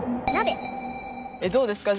どうですか？